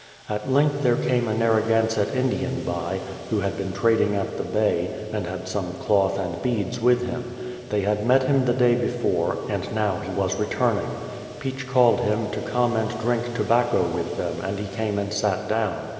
At length there came a Narragansett Indian by, who had 293 294 BRADFORD'S HISTORY OF been trading at the Bay, and had some cloth and beads with him. They had met him the day before, and now he was returning. Peach called him to come and drink to bacco with tliem, and he came and sat down.